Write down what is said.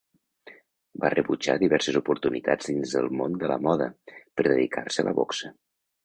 Va rebutjar diverses oportunitats dins del món de la moda, per dedicar-se a la boxa.